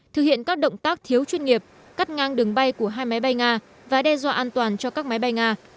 thực hiện các động tác thiếu chuyên nghiệp cắt ngang đường bay của hai máy bay nga và đe dọa an toàn cho các máy bay nga